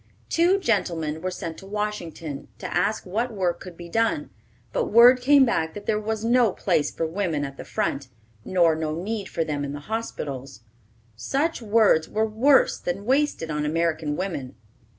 Two gentlemen were sent to Washington to ask what work could be done, but word came back that there was no place for women at the front, nor no need for them in the hospitals. Such words were worse than wasted on American women.